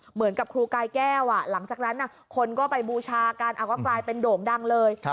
เหมือนกับครูกายแก้วหลังจากนั้นคนก็ไปบูชากันก็กลายเป็นโด่งดังเลย